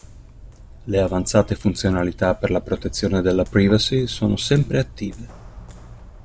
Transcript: Le avanzate funzionalità per la protezione della privacy sono sempre attive.